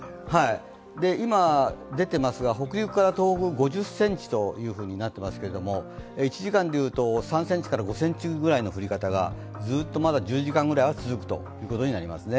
今、出ていますが、北陸から東北５０ｃｍとなっていますけど１時間でいうと３ｃｍから５ｃｍくらいの降り方が１０時間ぐらいは続くということになります。